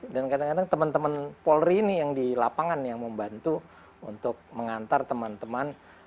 dan kadang kadang teman teman polri ini yang di lapangan yang membantu untuk mengantar teman teman